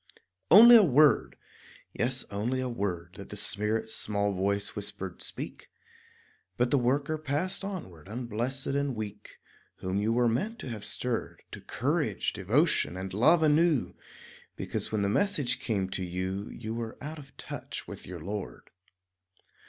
Only a word, yes, only a word, That the Spirit's small voice whispered "Speak"; But the worker passed onward unblessed and weak Whom you were meant to have stirred To courage, devotion, and love anew, Because when the message came to you You were "out of touch" with your Lord.